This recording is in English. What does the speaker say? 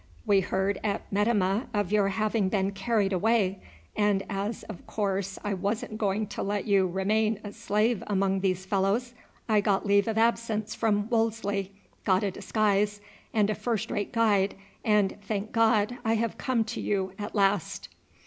We heard at Metemmeh of your having been carried away, and as of course I wasn't going to let you remain a slave among these fellows, I got leave of absence from Wolseley, got a disguise and a first rate guide, and, thank God, I have come to you at last."